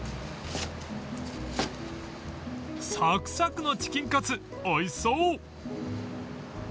［サクサクのチキンカツおいしそう］